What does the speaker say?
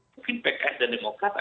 mungkin pks dan demokrat agak tampan